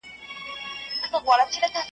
بد بوټۍ بلا نه وهي .